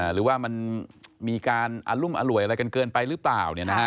หรือว่ามันมีการอรุมอร่วยอะไรกันเกินไปหรือเปล่า